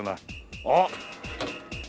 あっ。